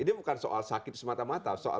ini bukan soal sakit semata mata soal